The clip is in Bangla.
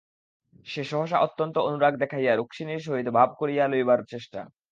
সে সহসা অত্যন্ত অনুরাগ দেখাইয়া রুক্মিণীর সহিত ভাব করিয়া লইবার চেষ্টা।